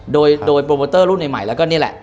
โดยโปรโมเตอร์รุ่นใหม่แล้วก็นี่แหละ